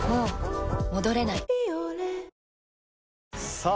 さあ